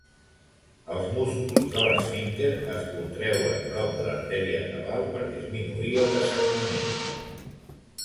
Els músculs de l'esfínter es contreuen prop de l'artèria cabal per disminuir el dessagnament.